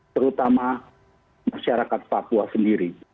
terutama masyarakat papua sendiri